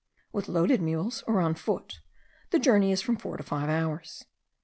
With loaded mules, or on foot, the journey is from four to five hours.